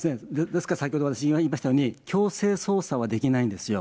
ですから、先ほど私が言いましたように、強制捜査はできないんですよ。